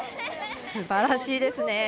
すばらしいですね！